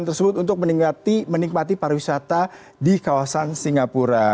dan tersebut untuk meninggati menikmati pariwisata di kawasan singapura